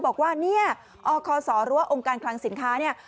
บอกว่าเนี่ยอคศหรือว่าองค์การคลังสินค้าเนี่ย